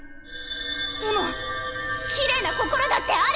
でもきれいな心だってある！